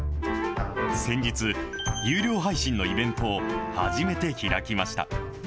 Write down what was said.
先日、有料配信のイベントを初めて開きました。